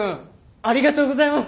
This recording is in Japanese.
ありがとうございます！